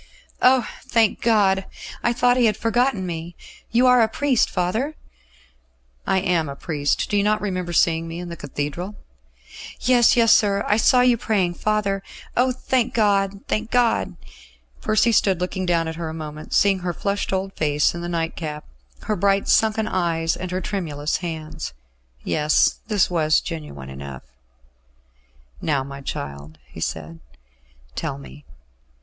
"Oh! thank God! I thought He had forgotten me. You are a priest, father?" "I am a priest. Do you not remember seeing me in the Cathedral?" "Yes, yes, sir; I saw you praying, father. Oh! thank God, thank God!" Percy stood looking down at her a moment, seeing her flushed old face in the nightcap, her bright sunken eyes and her tremulous hands. Yes; this was genuine enough. "Now, my child," he said, "tell me."